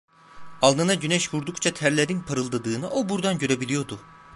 Alnına güneş vurdukça terlerin parıldadığını o buradan görebiliyordu.